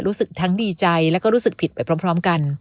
รู้สึกทั้งดีใจแล้วก็รู้สึกผิดไปพร้อมกัน